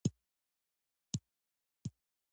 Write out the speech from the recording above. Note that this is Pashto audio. دوی په یوازې سر کار نه شي کولای